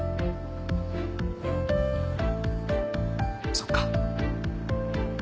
そっか。